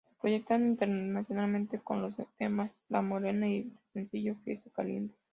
Se proyectaron internacionalmente con los temas "La Morena" y su sencillo "Fiesta caliente".